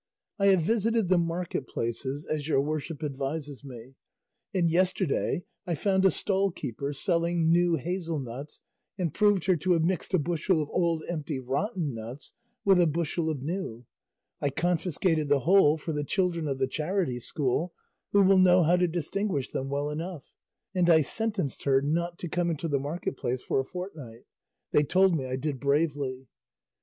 I have visited the market places, as your worship advises me, and yesterday I found a stall keeper selling new hazel nuts and proved her to have mixed a bushel of old empty rotten nuts with a bushel of new; I confiscated the whole for the children of the charity school, who will know how to distinguish them well enough, and I sentenced her not to come into the market place for a fortnight; they told me I did bravely.